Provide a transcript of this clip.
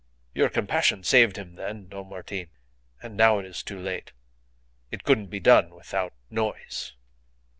Your compassion saved him then, Don Martin, and now it is too late. It couldn't be done without noise."